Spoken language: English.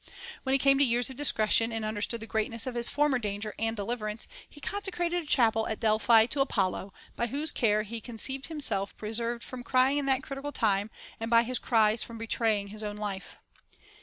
* When he came to years of discretion, and understood the greatness of his former danger and deliverance, he consecrated a chapel at Delphi to Apollo, by whose care he conceived himself pre served from crying in that critical time, and by his cries from betraying his own life.